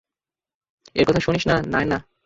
এর কথা শোনিস না, নায়না!